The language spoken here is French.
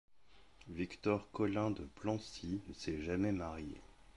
Victor Collin de Plancy ne s'est jamais marié.